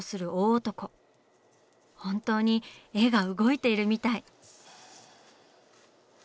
本当に絵が動いているみたい。